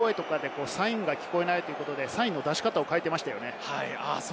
開幕戦もそうでしたか、観客のブーイング、声とかでサインが聞こえないということで、サインの出し方を変えていましたよね。